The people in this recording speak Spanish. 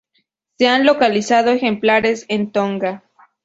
Se han localizado ejemplares en Tonga.